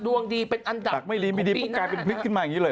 ดวงดีเป็นอันดับไม่ดีไม่ดีปุ๊บกลายเป็นพลิกขึ้นมาอย่างนี้เลย